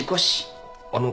あの。